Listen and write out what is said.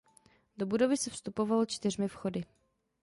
Do budovy se vstupovalo čtyřmi vchody.